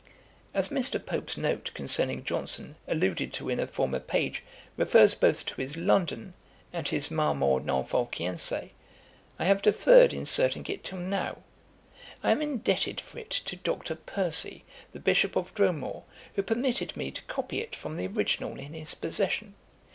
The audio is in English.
[Page 143: 'Paper sparing Pope.' Ætat 30.] As Mr. Pope's note concerning Johnson, alluded to in a former page, refers both to his London, and his Marmor Norfolciense, I have deferred inserting it till now. I am indebted for it to Dr. Percy, the Bishop of Dromore, who permitted me to copy it from the original in his possession.